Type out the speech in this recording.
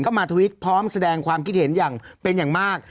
เข้ามาทวิตพร้อมแสดงความคิดเห็นเป็นอย่างมาก